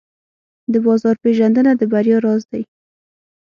د بازار پېژندنه د بریا راز دی.